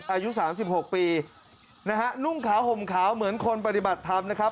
อายุสามสิบหกปีนะฮะนุ่งขาวห่มขาวเหมือนคนปฏิบัติธรรมนะครับ